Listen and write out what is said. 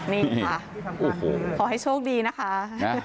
นี่ค่ะขอให้โชคดีนะคะ